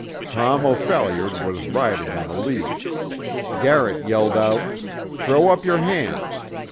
Tom O'Phalliard was riding in the lead. Garrett yelled out: 'Throw up your hands!'